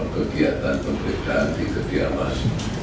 kegiatan pemeriksaan di kediaman